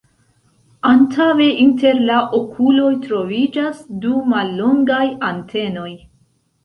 Antaŭe inter la okuloj troviĝas du mallongaj antenoj.